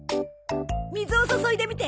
水を注いでみて。